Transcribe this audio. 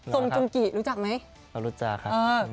ทรงจุงกิรู้จักไหมรู้จักครับครับ